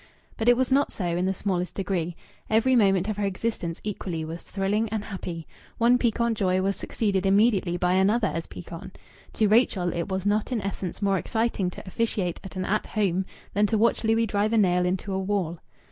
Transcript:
But it was not so in the smallest degree. Every moment of her existence equally was thrilling and happy. One piquant joy was succeeded immediately by another as piquant. To Rachel it was not in essence more exciting to officiate at an At Home than to watch Louis drive a nail into a wall.